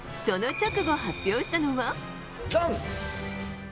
その直後、発表したのは。